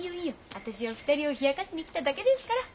私は２人を冷やかしに来ただけですから。